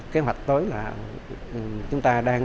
kế hoạch tối là chúng ta đang